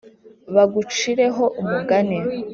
Bagucire ho umugani,